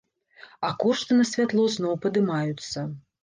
А кошты на святло зноў падымаюцца!